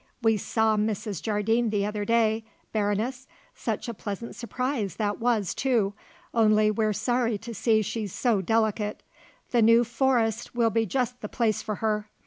We saw Mrs. Jardine the other day, Baroness such a pleasant surprise that was, too only we're sorry to see she's so delicate. The New Forest will be just the place for her.